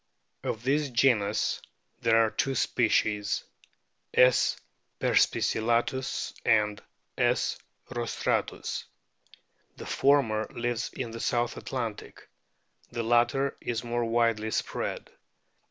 Of this genus there are two species, S. perspicillatus and S. restrains. The former lives in the South Atlantic ; the latter is more widely spread.